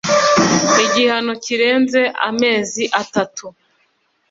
igihano kirenze amezi atatu .